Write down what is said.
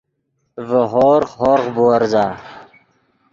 ڤے ہورغ، ہورغ بُورزا